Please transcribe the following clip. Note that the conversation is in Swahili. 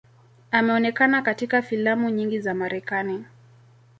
Ameonekana katika filamu nyingi za Marekani.